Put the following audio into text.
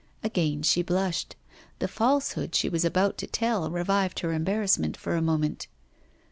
Again she blushed. The falsehood she was about to tell revived her embarrassment for a moment.